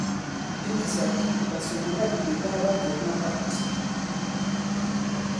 I misāk, ɓasuŋlabìpèpa ɓa kǒt mapat.